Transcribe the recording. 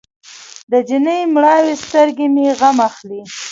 د جینۍ مړاوې سترګې مې غم اخلي.